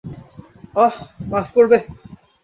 অহ, মাফ করবে।